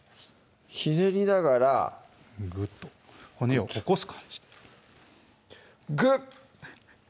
ひねりながらグッと骨を起こす感じグッ！